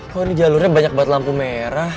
kok ini jalurnya banyak buat lampu merah